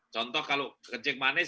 contoh kalau kencing manis